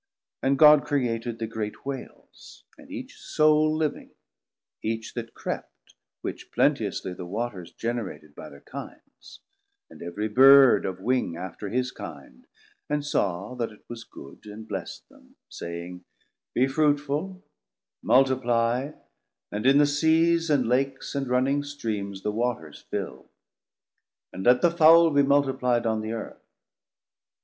390 And God created the great Whales, and each Soul living, each that crept, which plenteously The waters generated by thir kindes, And every Bird of wing after his kinde; And saw that it was good, and bless'd them, saying, Be fruitful, multiply, and in the Seas And Lakes and running Streams the waters fill; And let the Fowle be multiply'd on the Earth.